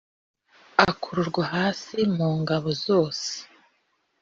akururwa hasi mungabo zose